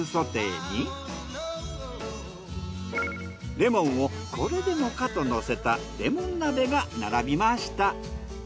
レモンをこれでもかとのせたレモン鍋が並びました。